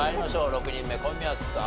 ６人目小宮さん